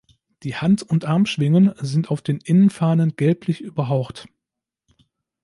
Die Hand- und Armschwingen sind auf den Innenfahnen gelblich überhaucht.